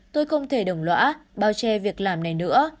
tôi không thể đồng lõa bao che việc làm này nữa